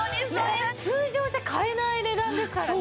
通常じゃ買えない値段ですからね。